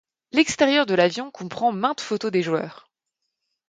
L'extérieur de l'avion comprend maintes photos des joueurs.